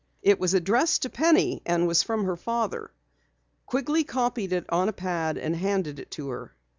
It was addressed to Penny and was from her father. Quigley copied it on a pad and handed it to her.